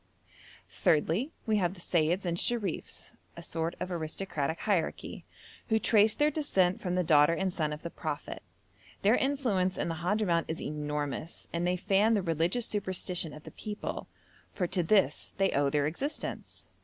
Thirdly, we have the Seyyids and Sherifs, a sort of aristocratic hierarchy, who trace their descent from the daughter and son of the Prophet. Their influence in the Hadhramout is enormous, and they fan the religious superstition of the people, for to this they owe their existence.